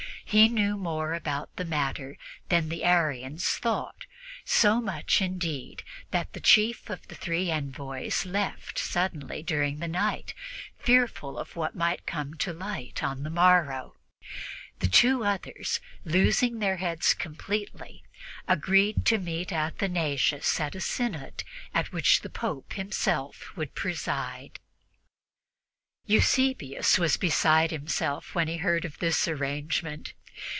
He knew more about the matter than the Arians thought so much, indeed, that the chief of the three envoys left suddenly during the night, fearful of what might come to light on the morrow. The two others, losing their heads completely, agreed to meet Athanasius at a synod at which the Pope himself should preside. Eusebius was beside himself when he heard of this arrangement.